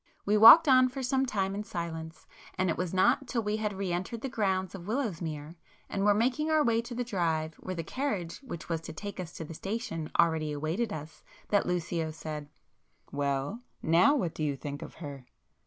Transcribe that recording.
We walked on for some time in silence, and it was not till we had re entered the grounds of Willowsmere, and were making our way to the drive where the carriage which was to take us to the station already awaited us, that Lucio said— "Well; now, what do you think of her?"